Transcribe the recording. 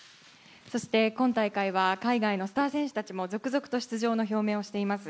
今大会は海外のスター選手たちも続々と出場の表明をしています。